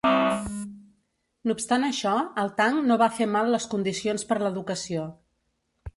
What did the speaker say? No obstant això, el Tang no va fer mal les condicions per l'educació.